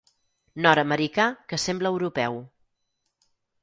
Nord-americà que sembla europeu.